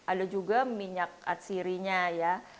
ada juga minyak atsirinya ya